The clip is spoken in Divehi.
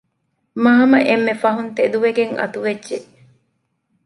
މާމަ އެންމެފަހުން ތެދުވެގެން އަތުވެއްޖެ